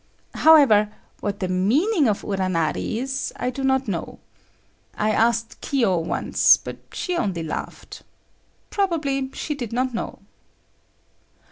However, what the meaning of "uranari" is, I do not know. I asked Kiyo once, but she only laughed. Probably she did not know.